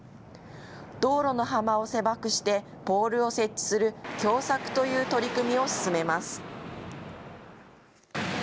道路の幅を狭くしてポールを設置する狭窄という取り組みを進めます。